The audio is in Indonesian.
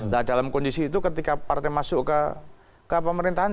nah dalam kondisi itu ketika partai masuk ke pemerintahan